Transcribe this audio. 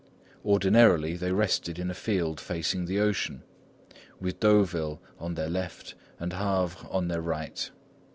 Ordinarily, they rested in a field facing the ocean, with Deauville on their left, and Havre on their right.